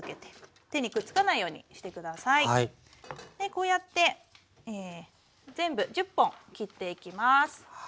こうやって全部１０本切っていきます。